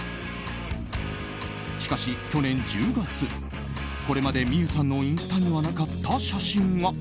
しかし、去年１０月これまで望結さんのインスタにはなかった写真が。